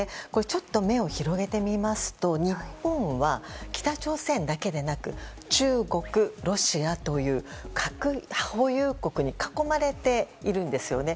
ちょっと目を広げてみますと日本は、北朝鮮だけでなく中国、ロシアという核保有国に囲まれているんですよね。